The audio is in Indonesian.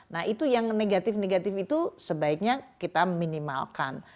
nah itu yang negatif negatif itu sebaiknya kita minimalkan